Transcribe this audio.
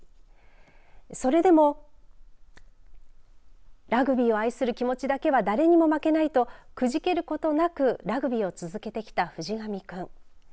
それでもラグビーを愛する気持ちだけは誰にも負けもないとくじけることなくラグビーを続けてきた藤上君。